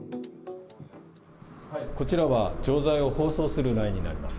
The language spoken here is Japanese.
こちらは錠剤を包装するラインになります。